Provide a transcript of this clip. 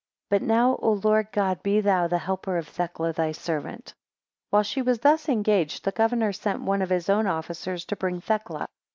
But now, O Lord God, be thou the helper of Thecla thy servant. 10 While she was thus engaged. the governor sent one of his own officers to bring Thecla.